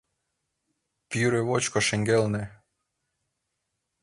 Пӱрӧ вочко шеҥгелне.